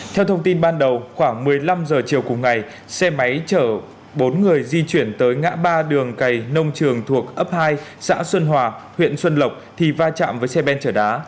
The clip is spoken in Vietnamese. theo thông tin ban đầu khoảng một mươi năm h chiều cùng ngày xe máy chở bốn người di chuyển tới ngã ba đường cày nông trường thuộc ấp hai xã xuân hòa huyện xuân lộc thì va chạm với xe ben chở đá